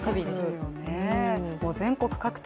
全国各地